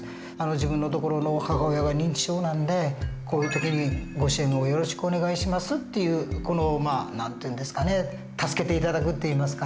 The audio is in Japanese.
自分のところの母親が認知症なんでこういう時にご支援をよろしくお願いしますっていうこの何て言うんですかね助けて頂くって言いますか。